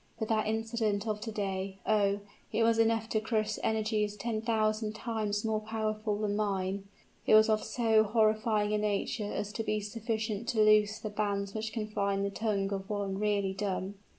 But that incident of to day oh! it was enough to crush energies ten thousand times more powerful than mine: it was of so horrifying a nature as to be sufficient to loose the bands which confine the tongue of one really dumb."